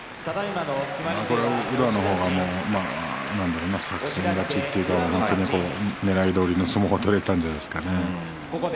これは宇良の方が作戦勝ちというかねらいどおりの相撲が取れたんじゃないですかね。